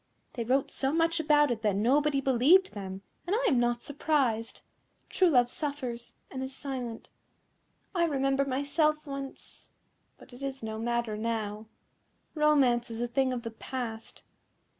They wrote so much about it that nobody believed them, and I am not surprised. True love suffers, and is silent. I remember myself once But it is no matter now. Romance is a thing of the past."